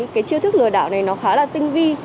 cái chiêu thức lừa đảo này nó khá là tinh vi